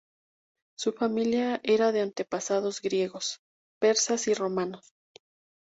Su familia era de antepasados griegos, persas y romanos.